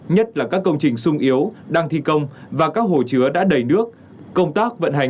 nhất là các công trình sung yếu đang thi công và các hồ chứa đã đầy nước công tác vận hành